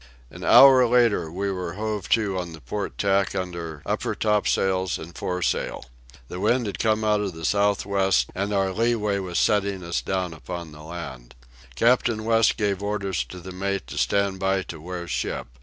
An hour later we were hove to on the port tack under upper topsails and foresail. The wind had come out of the south west, and our leeway was setting us down upon the land. Captain West gave orders to the mate to stand by to wear ship.